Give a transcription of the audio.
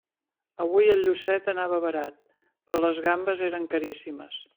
Avui el llucet anava barat, però les gambes eren caríssimes.